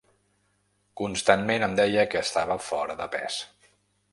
Constantment em deia que estava fora de pes.